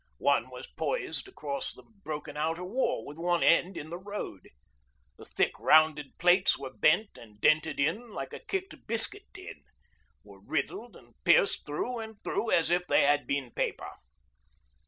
One was poised across the broken outer wall, with one end in the road. The thick rounded plates were bent and dented in like a kicked biscuit tin, were riddled and pierced through and through as if they had been paper.